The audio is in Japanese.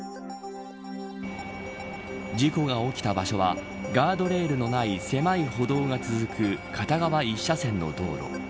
事故が起きた場所はガードレールのない狭い歩道が続く片側１車線の道路。